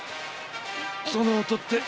その音って。